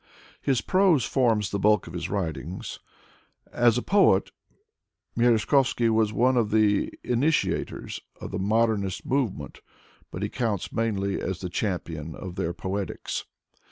His prose forms the bulk of his writings. As a poet, Merezh kovsky was one of the initiators of the modernist movement, but he counts mainly as the champion of their poetics.